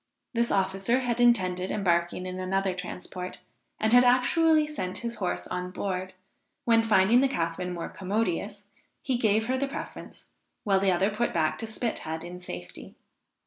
This officer had intended embarking in another transport, and had actually sent his horse on board, when finding the Catharine more commodious, he gave her the preference, while the other put back to Spithead in safety.